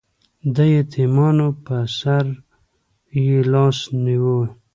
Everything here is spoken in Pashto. د یتیمانو په سر یې لاس ونیو